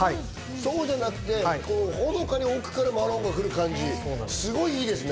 そうじゃなくて、ほのかに奥からマロンが来る感じ、すごくいいですね。